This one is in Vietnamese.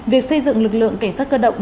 việc xây dựng lực lượng cảnh sát cơ động